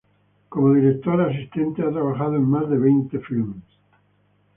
Como director asistente ha trabajado en más de veinte filmes.